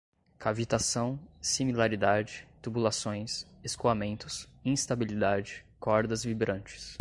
cavitação, similaridade, tubulações, escoamentos, instabilidade, cordas vibrantes